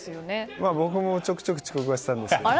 まあ、僕もちょくちょく遅刻はしてたんですけれども。